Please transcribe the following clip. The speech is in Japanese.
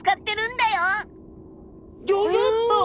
ギョギョッと！